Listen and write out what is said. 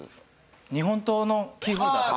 日本刀のキーホルダーとか。